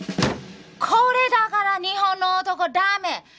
これだから日本の男ダメ！